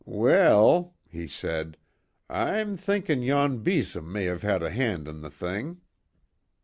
"Weel," he said, "I'm thinking yon besom may have had a hand in the thing."